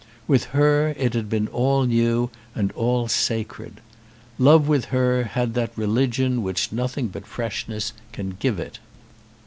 With her it had been all new and all sacred. Love with her had that religion which nothing but freshness can give it.